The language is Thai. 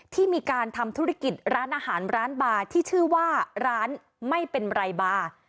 ที่มีการทำธุรกิจร้านอาหารร้านบาร์ที่ชื่อว่าร้านไม่เป็นไรบาร์